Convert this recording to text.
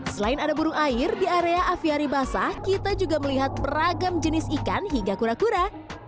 selain ada burung air di area aviari basah kita juga melihat beragam jenis ikan hingga kura kura